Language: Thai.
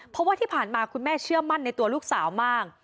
เพราะว่าที่ผ่านมาคุณแม่เชื่อมั่นในตัวลูกสาวมาก